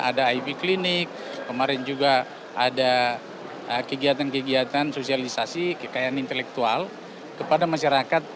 ada ip klinik kemarin juga ada kegiatan kegiatan sosialisasi kekayaan intelektual kepada masyarakat